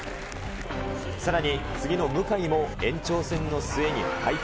さらに次の向も延長戦の末に敗退。